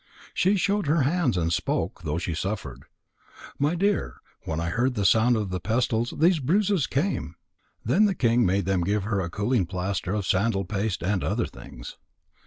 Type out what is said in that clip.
She showed her hands and spoke, though she suffered: "My dear, when I heard the sound of the pestles, these bruises came." Then the king made them give her a cooling plaster of sandal paste and other things.